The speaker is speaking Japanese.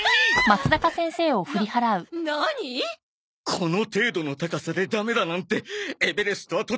この程度の高さでダメだなんてエベレストはとても無理だ！